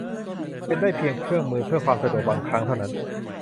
เป็นได้เพียงแค่เครื่องมือเพื่อความสะดวกบางครั้งเท่านั้น